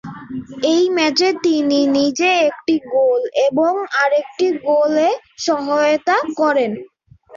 এই ম্যাচে তিনি নিজে একটি গোল এবং আরেকটি গোলে সহায়তা করেন।